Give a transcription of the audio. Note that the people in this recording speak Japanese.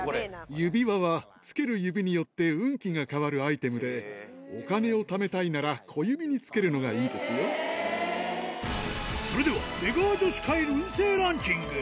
指輪は、つける指によって運気が変わるアイテムで、お金を貯めたいなら小それでは、出川女子会運勢ランキング。